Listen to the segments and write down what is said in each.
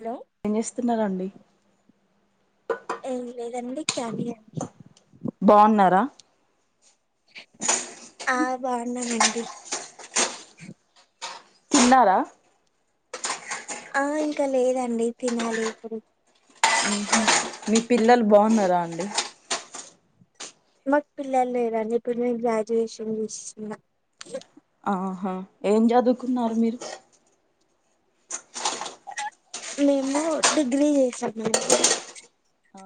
Hello ఏం చేస్తున్నారండి? ఏం లేదండి కాలి అండి బావున్నారా? ఆ బావున్నామండి. తిన్నారా? ఆ ఇంకా లేదండి తినాలి ఇప్పుడు మీ పిల్లలు బావున్నారా అండి? మాకు పిల్లలు లేరండి ఇప్పుడు నేను గ్రాడ్యుయేషన్ చేస్తున్న. ఆహా ఏం చదువుకున్నారు మీరు? మేము డిగ్రీ చేసాం అండి. అ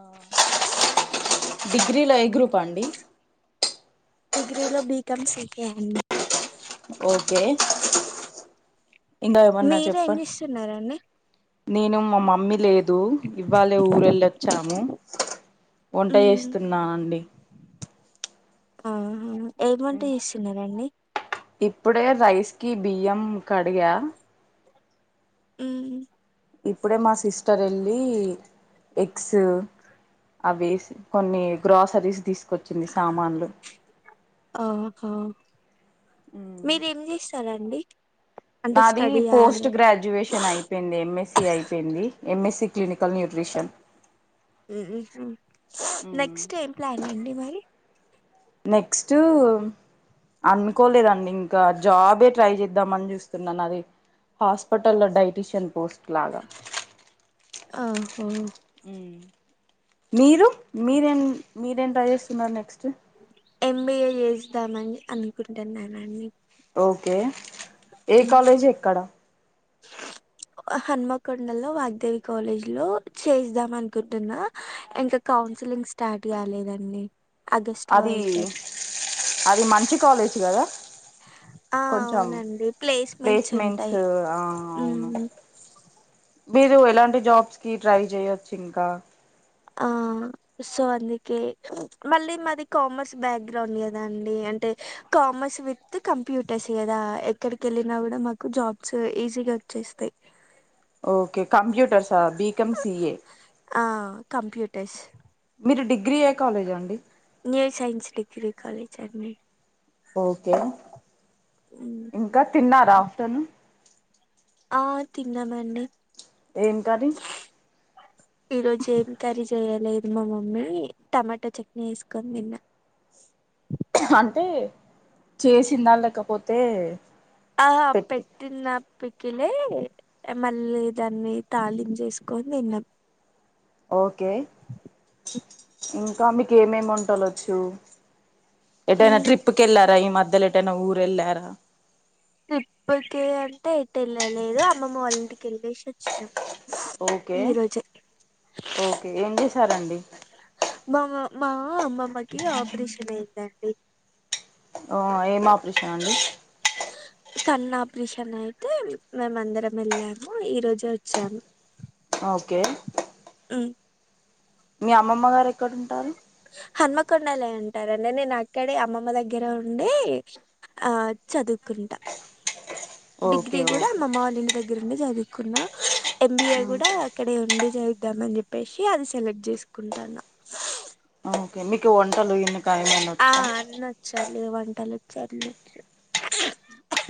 డిగ్రీలో ఏ గ్రూప్ అండి? డిగ్రీలో బీకామ్ సెకేయండి ఓకే ఇంకా ఏమన్నా మీరేం చెప్ప చేస్తున్నారండి నేను మా మమ్మీ లే దు ఇవ్వాలే ఊర వెళ్ళిచ్చాము వంట ఉమ్ చేస్తున్నాండి. అవునా ఏం వంట చేస్తున్నారండి? ఇప్పుడే రైస్ కి బియ్యం కడిగా ఉమ్ ఇప్పుడే మా సిస్టర్ ఏళ్ళి ఎగ్స్ అవేసి కొన్ని గ్రాసరీస్ తీసుకొచ్చింది సామాన్లు ఆహా ఉమ్ మీరేం చేస్తారండి? అంటే నాది స్టడీయా పోస్ట్ లైక్ గ్రాడ్యూయేషన్ అయి పోయింది ఎంఎస్సి అయిపోయింది ఎంఎస్సి క్లినికల్ న్యూట్రిషన్ ఉహు నెక్స్ట్ ఏం ప్లాన్ అండి మరి? నెస్ట్ అనుకోలేదండి ఇంకా జాబ్ ఎ ట్రై చేద్దామని చూ స్తున్నాను అది హాస్పిటల్లో డైటిషియన్ పోస్ట్ లాగా ఆహో మీరు మీరేం మీరేం ట్రై చేస్తున్నారు నెక్స్ట్? ఎంబిఏ చేద్దామని అనుకుంటున్నానండి. ఓకే ఏ కాలేజ్ ఎక్కడ? హన్మకొండ లో వాగ్దేవి కాలేజ్ లో చేద్దాం అనుకుంటున్నా ఇంకా కౌన్సిలింగ్ స్టార్ట్ కాలేదండి ఆగస్ట్ లో అది అయితది అది మంచి కాలేజీ గదా ఆ కొంచం అవునండి ప్లేస్మెంట్స్ ఉంటాయి ఆ అవును ఉమ్ మీరు ఎలాంటి జాబ్స్ కి ట్రై చెయొచ్చు ఇంకా? ఆ సో అందుకే మళ్ళీ మాది కామర్స్ బ్యాక్ గ్రౌండ్ గదా అండి అంటే కామర్స్ విత్ కంప్యూటర్స్ గదా ఎక్కడికి వెళ్ళినా కూడా మాకు జాబ్స్ ఈజీగా చేస్తాయి ఓకే కంప్యూటర్సా బికెమ్ సిఏ ఆ కంప్యూటర్స్ మీరు డిగ్రీ ఏ కాలేజ్ అండి? న్యూ సైన్స్ డిగ్రీ కాలేజ్ అండి ఓకే ఉమ్ ఇంకా తిన్నారా ఆఫ్టర్నూ ఆ తిన్నానండి ఏం కర్రీ ఈరోజు ఏం కర్రీ చేయలేదు మా మమ్మీ టమాటా చట్నీ ఏసుకొని తిన్న అంటే చేసిందా లేకపోతే ఆ పె పెట్టి ట్టిన పికిలే మళ్ళీ దాన్ని తాలిం చేేసుకొని తిన్నాం ఓకే ఇంకా మీకు ఏమేమి వంటలు వచ్చు ఏటైనా ఉమ్, ట్రిప్‌కి ఎళ్లారా ఈ మధ్యలో ఏటైనా ఊరు ఎళ్ళారా ట్రిప్‌‌కి అంటే ఎటు ఎళ్ళలేదు అమ్మమ్మ వాళ్ళంటికి ఎళ్ళేసి వచ్చినాం ఈరోజే కే ఏం చేశారండి మామ మా అమ్మమ్మకి ఆపరేషన్ అయిందండి ఓ ఏం ఆపరేషన్ అండి కన్న ఆపరేషన్ అయితే మేం అందరం వెళ్ళాము ఈరోజే వచ్చాము ఓకే ఉమ్ మీ అమ్మమ్మ గారు ఎక్కడుంటారు హన్మకొండలే ఉంటారండి నేను అక్కడే అమ్మమ్మ దగ్గరే ఉండి ఆ చదువుకుంటా డిగ్రీ ఓకే కూడా మా ఓకే అమ్మమ్మ వాళ్ళింటి దగ్గరుండే చదువుకున్నా ఎంబీఏ కూడా ఇక్కడే ఉండి చదుద్దాం అని చెప్పేసి అది సెలెక్ట్ చేసుకుంటాన్న ఆ ఓకే మీకు వంటలు ఏమన్నా కాయ వండ ఆ అనొచ్చు అండి వంటలోచ్చు అనొచ్చు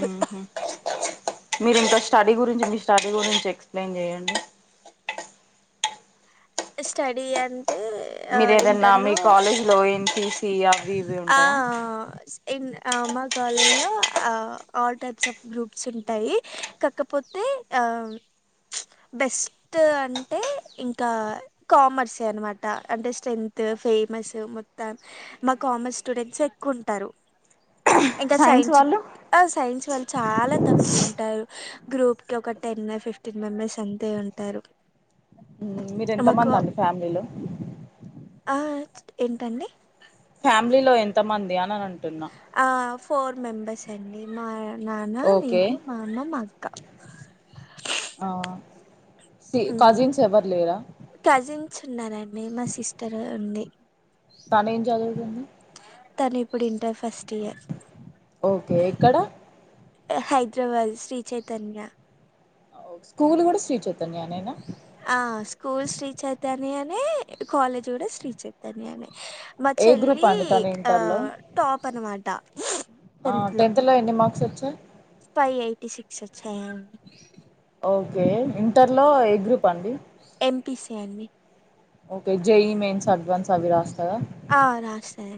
మ్మ్ఉమ్మ్ మీరు ఇంకా స్టడీ గురించి మీ స్టడీ గురించి ఎక్స్ప్లెయిన్ చెయ్యండి స్టడీ అం మీరు ఏదన్నా మీ కాలేజ్‌లో ఏంటి ఆ ఇం ఆ మా కాలేజ్‌లో ఆ ఆల్ టైప్స్ ఆఫ్ గ్రూప్స్ ఉంటాయి కాకపోతే ఆ బెస్ట్ అంటే ఇంకా కామర్సే అనమాట అంటే స్ట్రెంత్ ఫేమస్ మొత్తం మా కామర్స్ స్టూడెంట్సే ఎక్కువ ఉంటారు ఇంకా సైన్స్ ఆ సైన్స్ వాళ్ళు చాలా తక్కువ ఉంటారు గ్రూప్‌కి ఒక టెన్ ఫిఫ్టీన్ మెంబర్స్ అంతే ఉంటారు ఉమ్మ్ మీరెంతా మాకు మంది అండి ఫ్యామిలీలో ఆ ఏంటండి ఫ్యామిలీలో ఎంత మంది అనని అంటున్నా ఆ ఫోర్ మెంబర్స్ అండి మా నాన్న ఓకే నేను మా అమ్మ మా అక్క ఆ సి కజిన్స్ ఎవరు లేరా కజిన్స్ ఉన్నారండి మా సిస్టర్ ఉంది తనేం చదువుతుంది తను ఇప్పుడు ఇంటర్ ఫస్ట్ ఇయర్ ఓకే ఎక్కడ హైదరాబాద్ శ్రీ చైతన్య ఓ స్కూల్ కూడా శ్రీ చైతన్య నేనా ఆ స్కూల్ శ్రీ చైతన్య నే కాలేజ్ కూడా శ్రీ చైతన్యనే మా ఏ గ్రూప్ చెల్లి అండి తను ఆ ఇంటర్లో టాప్ అన్నమాట ఆ టెన్్లో ఎన్ని మార్క్స్ వచ్చాయ్ ఫైవ్ ఎయిటీ సిక్స్ వచ్చాయండి ఓకే ఇంటర్లో ఎ గ్రూప్ అండి ఎంపిసీ అండి ఓకే జేఈ మెయిన్స్ అడ్వాన్స్ అవి రాస్తాదా ఆ రాస్తది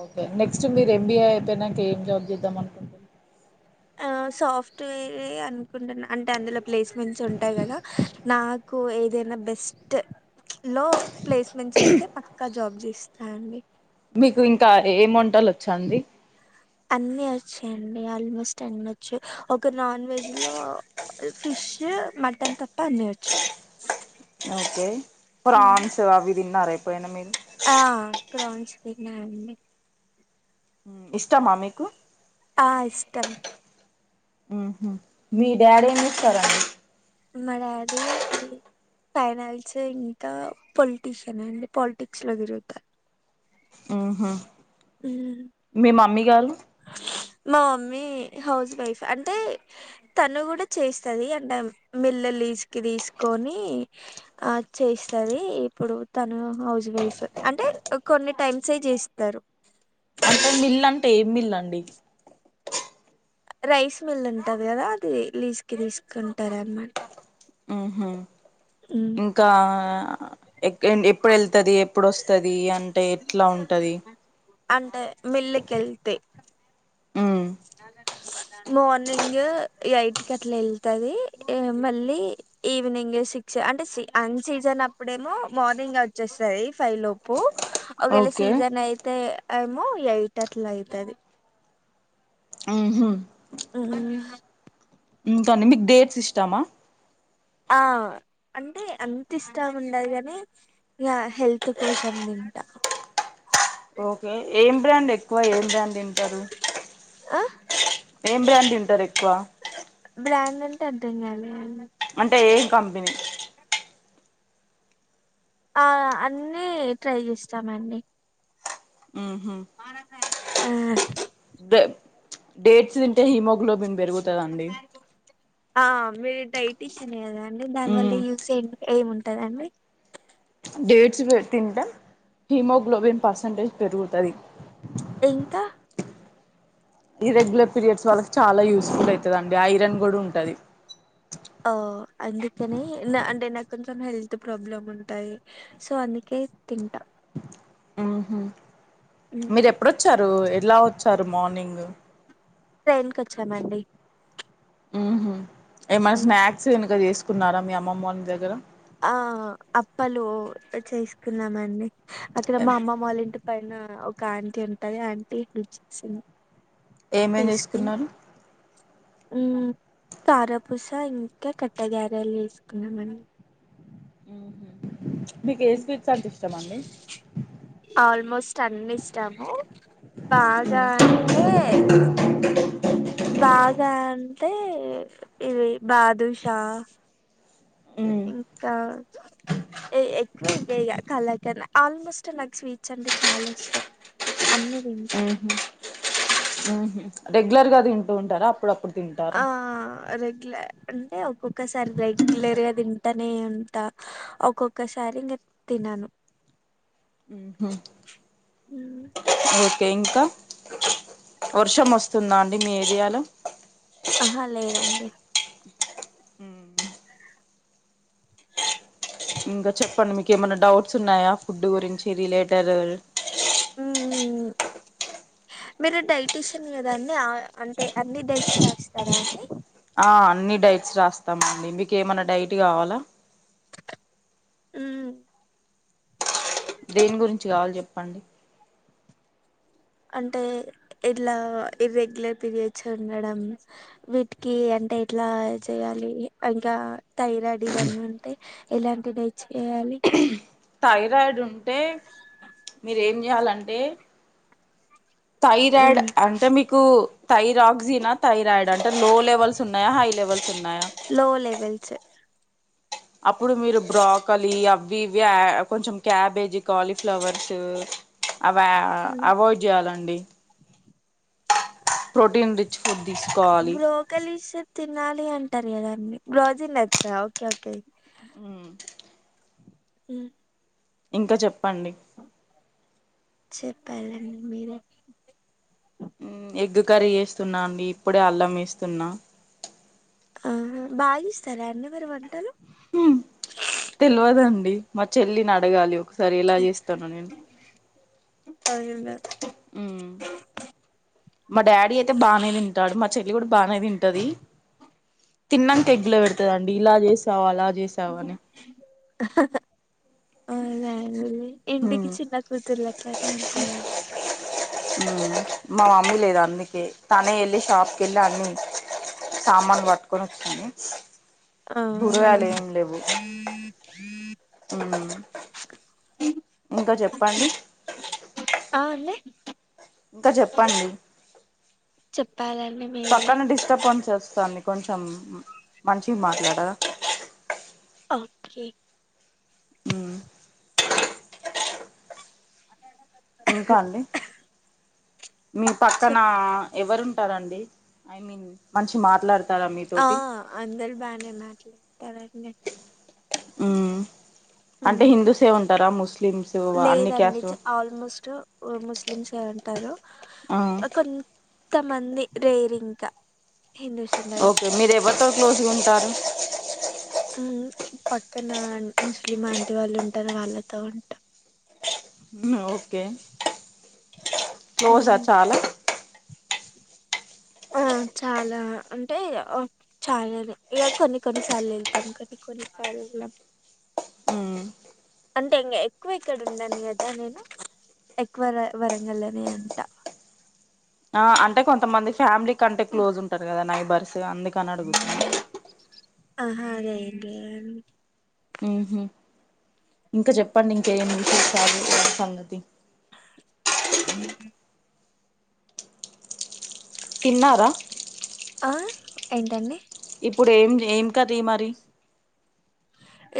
ఓకే నెక్స్ట్ మీరు ఎంబీఏ అయిపోయినాక ఏం జాబ్ చేద్దామను ఆ సాఫ్ట్వేర్ే అనుకుంటున్న అంటే అందులో ప్లేస్మెంట్స్ ఉంటాయి కదా నా కు ఏదైనా బెస్ట్ లో ప్లేస్మెంట్స్ వస్తే పక్కా జాబ్స్స్తాండి మీకు ఇంకా ఏం వంటలు వచ్చండి అన్ని వచ్చాయండి ఆల్మోస్ట్ అన్ని వచ్చు ఒక నాన్ వెజ్ లో ఫిష్ మటన్ తప్ప అన్ని వచ్చు ఓకే ఫ్రాన్స్ అవి తిన్నర ఎప్పుడన్నా మీరు ఆ ప్రౌన్స్ తిన్న అండి ఇష్టమా మీకు ఆ ఇష్టం మ్ హు మీ డాడీ ఎం చేస్తారండి మా డాడీ ఫైనల్స్ ఇంకా పొలిటీషియన్ అండి పాలిటిక్స్ లో తిరుగుతారు మ్ హు మ్మ్. మీ మమ్మి గరు మా మమ్మీ హౌస్ వైఫ్ అంటే తను కూడా చేస్తది అంటే మిల్లు లిస్ కు తీసుకొని ఆ చేస్తది ఇప్పుడు తను హౌస్ వైఫ్ అంటే కొన్ని టైమ్సే చేస్తారు అంటే మిల్ అంటే ఏం మిల్లు అండి రైస్ మిల్ ఉంటది కదా అది లీస్కి తీసుకుంటారన్ని అహ ఇంకా ఎ ఎప్పుడు వెళ్తది ఎప్పుడు వస్తది అంటే ఎట్లా ఉంటది అంటే మీల్లుకేళ్తయి ఉ మార్నింగ్ ఎయిట్కి అట్లా వెళ్తది మళ్ళీ ఈవినింగే సిక్స్ అంటే అన్ సీజన్ అప్పుడేమో మార్నింగే వచ్చేస్తది ఫైవ్ లోప్ ప్పు ఒకవేళ ఓకే సీజన్ అయితే ఏమో ఎయిట్ అట్ల అయితది మ్ హు మ్ ఇకండి మీకు డేట్స్ ఇష్టామా ఆ అంటే అంత ఇష్టం ఉండదు కానీ ఇగ హెల్త్ కోసం తింటా ఓకే ఏం బ్రాండ్ ఎక్కువ ఏం బ్రాండ్ తింటారు ఆ ఏం బ్రాండ్ తింటారు ఎక్కువ బ్రాండ్ అంటే అర్థంగాలే అండి అంటే ఏ కంపెనీ ఆ అన్నీ ట్రై చేస్తామండి మ్ హు ఆ డ చ్ డేడ్స్ దింటే హీమోగ్లోబిన్ బెరుగుతదండి ఆ మీరు డైటిషియన్ గదండి దాని వల్ల ఉమ్ యూస్ ఏం ఏముంటదండి డేట్సులే తింటె హీమోగ్లోబిన్ పర్సంటేజ్ పెరుగుతది ఇంక ఇర్రెగ్యులర్ పీరియడ్స్ వాళ్ళకు చాలా యూస్ఫుల్ అయితదండి ఐరన్ గూడుంటది ఆ అందుకనీ న అంటే నాక్కొంచం హెల్త్ ప్రాబ్లమ్ ఉంటాయి సో అందుకే తింట ఆహా ఉమ్. మీరెప్పుడొచ్చారు ఎలా వొచ్చారు మార్నింగ్ ట్రైన్కొచ్చామండి ఊహు ఏమైనా ఉమ్. స్నాక్స్ గనుక దీసుకున్నారా మీ అమ్మమ్మ వాళ్ల ఇంటి దగ్గర ఆ అప్పలు చేసుకున్నామండి అక్కడ మా అమ్మమ్మ వాళ్లింటి పైన ఒక ఆంటీ ఉంటది ఆ ఆంటీ హెల్ప్ చేసింది ఏమేం తీసుకుని చేసుకున్నారు ఉమ్ కారపూస ఇంక కట్టె గారలు చేసుకున్నామండి ఊహు మీకే స్వీట్స్ అంటిష్టమండి ఆల్మోస్ట్ అన్నిష్టము బాగా అంటే బాగా అంటే ఇవి బాదుషా ఉమ్ ఇంకా ఏ ఎక్కువ ఇవే ఇగ కలకండ ఆల్మోస్ట్ నాకు స్వీట్స్ అంటె చాలా ఇష్టం అన్నీ దింట రెగ్లర్ గా తింటూ ఉంటరా అప్పుడప్పుడ ఆ రెగ్లర్ అంటే ఒక్కొక్కసారి రెగ్లర్గ తింటనే ఉంటా ఒక్కొక్కసారి ఇంగ తినను ఊహు ఓకే ఇంక వర్షం ఒస్తుందా అండి మీ ఏరియాలో అహా లేదండి ఊ ఇంక చెప్పండి మీకేమన్నా డౌట్స్ ఉన్నాయా ఫుడ్డు గురించి రిలేటర్ మీరు డైటిషియన్ గదా అండి ఆ అంటే అన్ని డైట్సె రాస్తరా అండి ఆ అన్ని డైట్స్ రాస్తమండి మీకేమన్న డైట్ గావాలా ఉమ్ దేని గురించి గావాల్జెప్పండి అంటే ఇట్లా ఇర్రెగ్యులర్ పీరియడ్స్ ఉండడం వీటికి అంటే ఎట్లా చెయాలి ఇంకా థైరాయిడ్ ఇవన్నుంటే ఎలాంటి డైట్ చేయాలి థైరాయిడుంటే మీరేం జెయాలంటే థైరాయిడ్ అంటె మీకూ థైరాక్జీన థైరాయిడ అంటే లో లెవల్సున్నయా హై లెవల్సున్నయా లో లెవెల్సె అప్పుడు మీరు బ్రాకలీ అవ్వీ ఇవ్వీ కొంచెం క్యాబేజీ కాలీఫ్లవర్సూ అవా అవాయిడ్ జెయాలండి ప్రోటీన్ రిచ్ ఫుడ్ దీసుకోవాలి కలిషం తినాలి అంటారు కదండి బ్రోజి నట్స ఓకే ఓకే వ్మ్ హ్మ్ ఇంకా చెప్పండి చెప్పాలి అండి మీరే వ్మ్ ఎగ్ కర్రీ ఏస్తున్నా అండి ఇప్పుడే అల్లం ఏస్తున్నా ఆ బాగా ఇస్తారా అండి మీరు వంటలు వ్మ్ తెలివదండి మా చెల్లిని అడగాలి ఒకసారి ఎలా చేస్తాను నేను [unintelligible] ఉమ్ మా డాడి అయితే బానే తింటాడు మ చెల్లి కూడా బాగానే తింటది తిన్నాంక ఎగ్లో పెడతుదండి ఇలా చేసావు అలా చేస చవని అవునండి ఇంటికి చిన్న కూతుర్లు అట్లనే అంటారండి ఉమ్ మా మమ్మి లేదు అందుకే తనే ఏళ్ళి షాప్కి ఏళ్ళి అన్ని సామాను వట్టుకొని వచ్చింది ఆ అ కూరగాయలు ఆ ఇంకా చెప్పండి ఆ అండి ఇంకా చెప్పండి చెప్పాలండి మీరే పక్కన డిస్టర్బన్స్ వస్తుంది కొంచెం మంచిగా మాట్లాడరా ఓకే ఉమ్ ఇంకా అండి మీ పక్కన చెప్ ఎవరు ఉంటారండి ఐ మీన్ మంచి మాట్లాడు ఆ అందరు బానే మాట్లాడతరండి వ్మ్ అంటే ఉమ్ హిందూసే ఏ ఉంటారా ముస్లిమ్స్ అన్ని లేదండి క్యాస్ట్ చ- ఆల్మోస్ట్ ముస్లింసే ఉంటారు ఆ కోన్ త మంది రేరింకా హిందూస్ ఉండడం ఓకే మీరు ఎవరితో క్లోజ్గ్ ఉంటారు వ్మ్ పక్కన ముస్లిం ఆంటి వాళ్ళు ఉంటారు వాళ్ళతో ఉంటా న ఓకే క్లోజా ఉమ్ చాలా ఆ చాలా అంటే చాలదు ఇగ కొన్ని కొన్ని సాల్ ఏళ్లుతాము కొన్ని కొన్ని సాల్ అలా ఆ అంటే ఇంగ ఎక్కువ ఇక్కడ ఉండను కదా నేను ఎక్కువ ర వరంగలనే అంటా ఆ అంటే కొంతమంది ఫ్యామిలీ క అంటే క్లోజ్ ఉంటారు కదా నైబర్స్ అందుక్ హ్మ్ ఆహా అదేండి ఎన్ ఉహుం ఇంకా చెప్పండి ఇంక ఏమి విశేషాలు సంగతి అ తిన్నారా ఆ ఏంటండి ఇప్పుడు ఏం ఏం కర్రీ మరి ఉ